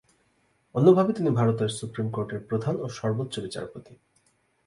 অন্যভাবে তিনি ভারতের সুপ্রিম কোর্টের প্রধান ও সর্ব্বোচ্চ বিচারপতি।